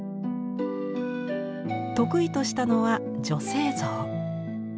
得意としたのは女性像。